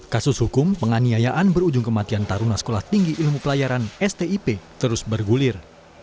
kasus hukum penganiayaan berujung kematian taruna sekolah tinggi ilmu pelayaran stip terus bergulir